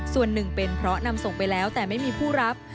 ส่วนหนึ่งเป็นเพราะนำส่งไปแล้วแต่ไม่มีผู้รับ